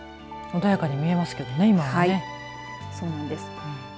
穏やかに見えますけどね